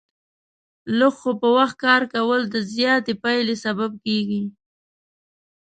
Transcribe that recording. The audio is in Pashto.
لږ خو په وخت کار کول، د زیاتې پایلې سبب کېږي.